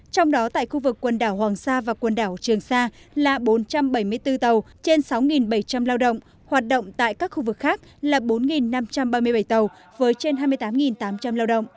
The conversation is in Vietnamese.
trong đó tại khu vực quần đảo hoàng sa và quần đảo trường sa là bốn trăm bảy mươi bốn tàu trên sáu bảy trăm linh lao động hoạt động tại các khu vực khác là bốn năm trăm ba mươi bảy tàu với trên hai mươi tám tám trăm linh lao động